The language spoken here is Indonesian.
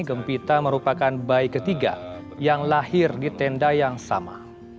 gempita merupakan bayi ketiga yang lahir di tenda yang sama